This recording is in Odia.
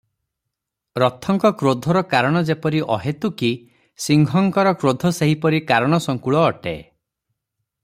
ରଥଙ୍କ କ୍ରୋଧର କାରଣ ଯେପରି ଅହେତୁକି ସିଂହଙ୍କର କ୍ରୋଧ ସେହିପରି କାରଣ-ସଂକୁଳ ଅଟେ ।